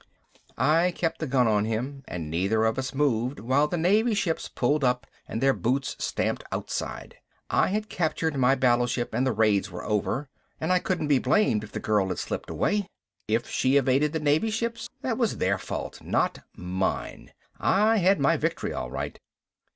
I kept the gun on him and neither of us moved while the Navy ships pulled up and their boots stamped outside. I had captured my battleship and the raids were over. And I couldn't be blamed if the girl had slipped away. If she evaded the Navy ships, that was their fault, not mine. I had my victory all right.